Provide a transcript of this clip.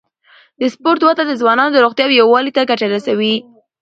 د سپورت وده د ځوانانو روغتیا او یووالي ته ګټه رسوي.